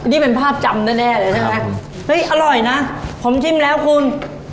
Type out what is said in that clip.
นี่เป็นภาพจำแน่เลยใช่ไหมเฮ้ยอร่อยนะผมชิมแล้วคุณ